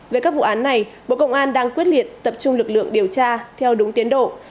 về các vụ án này bộ công an đang quyết liệt tập trung lực lượng điều tra theo đúng tiến độ